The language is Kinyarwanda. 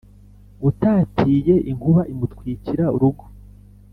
utatiye inkuba imutwikira urugo,